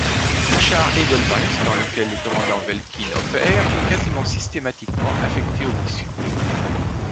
Le char Edelweiss, dans lequel le commandant Welkin opère, est quasi-systématiquement affecté aux missions.